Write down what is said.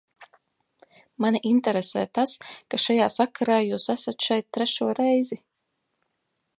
Mani interesē tas, ka šajā sakarā jūs esat šeit trešo reizi.